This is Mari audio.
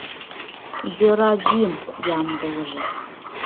Йӧрагӱм ямдылыже.